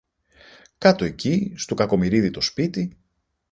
Κάτω εκεί, στου Κακομοιρίδη το σπίτι